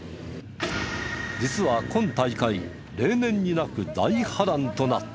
実は今大会例年になく大波乱となった。